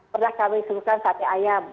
pernah kami sebutkan sate ayam